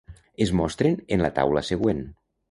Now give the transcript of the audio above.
Es mostren en la taula següent.